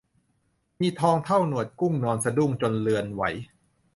มีทองเท่าหนวดกุ้งนอนสะดุ้งจนเรือนไหว